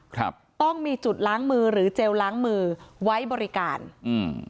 ครับต้องมีจุดล้างมือหรือเจลล้างมือไว้บริการอืม